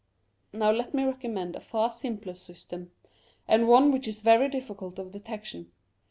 Now let me recommend a far simpler system, and one which is very difficult of detection.